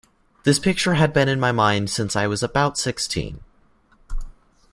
This picture had been in my mind since I was about sixteen.